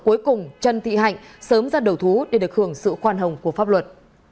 cuối cùng trân thị hạnh sớm ra đầu thú để được hưởng sự khoan hồng của pháp luật